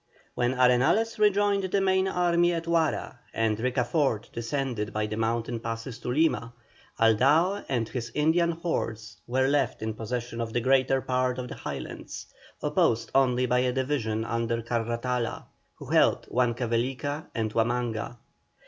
When Arenales rejoined the main army at Huara, and Ricafort descended by the mountain passes to Lima, Aldao and his Indian hordes were left in possession of the greater part of the Highlands, opposed only by a division under Carratala, who held Huancavelica and Huamanga.